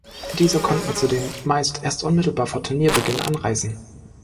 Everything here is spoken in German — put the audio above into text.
Diese konnten zudem meist erst unmittelbar vor Turnierbeginn anreisen.